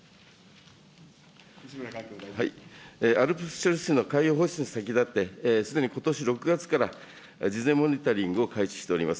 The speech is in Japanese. ＡＬＰＳ処理水の海洋放出に先立って、すでにことし６月から事前モニタリングを開始しております。